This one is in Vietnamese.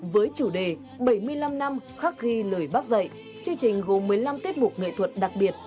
với chủ đề bảy mươi năm năm khắc ghi lời bác dạy chương trình gồm một mươi năm tiết mục nghệ thuật đặc biệt